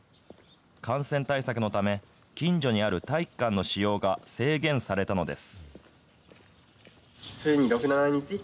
感染対策のため、近所にある体育館の使用が制限されたのです。